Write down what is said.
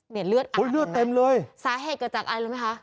เนี่ยเลือดอาดมากเลยสาเหตุเกิดจากอะไรรู้ไหมคะ